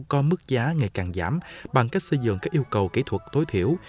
có mức giá ngày càng giảm bằng cách xây dựng các yêu cầu kỹ thuật tối thiểu